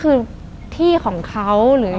คุณลุงกับคุณป้าสองคนนี้เป็นใคร